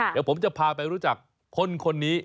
เดี๋ยวผมจะพาไปรู้จักคนนี้